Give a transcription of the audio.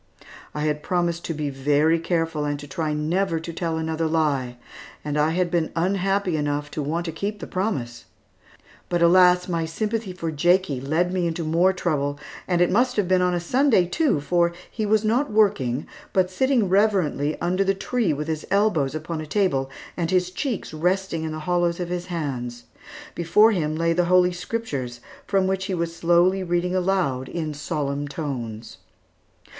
I had promised to be very careful and to try never to tell another lie, and I had been unhappy enough to want to keep the promise. But, alas, my sympathy for Jakie led me into more trouble, and it must have been on Sunday too, for he was not working, but sitting reverently under the tree with his elbows upon a table, and his cheeks resting in the hollows of his hands. Before him lay the Holy Scriptures from which he was slowly reading aloud in solemn tones.